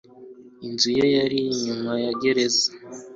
inzu ye iri inyuma ya gereza